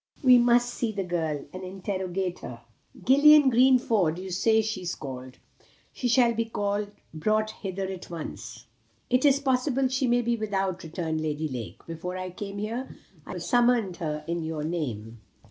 We must see the girl, and interrogate her. Gillian Greenford you say she is called. She shall be brought hither at once." "It is possible she may be without," returned Lady Lake. "Before I came here, I summoned her in your name."